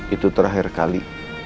itu terakhir kali